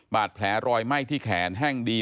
บาดแผลรอยไหม้ที่แขนแห้งดี